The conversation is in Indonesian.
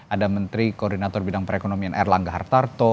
ada menteri koordinator bidang perekonomian erlangga hartarto